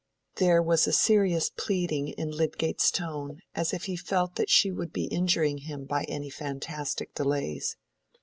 There was a serious pleading in Lydgate's tone, as if he felt that she would be injuring him by any fantastic delays.